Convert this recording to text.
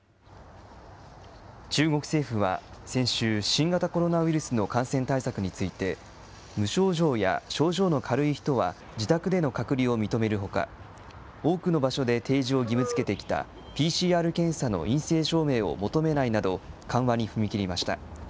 中国政府は先週、新型コロナウイルスの感染対策について、無症状や症状の軽い人は自宅での隔離を認めるほか、多くの場所で提示を義務づけてきたＰＣＲ検査の陰性証明を求めないなど、緩和に踏み切りました。